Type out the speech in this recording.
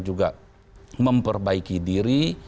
juga memperbaiki diri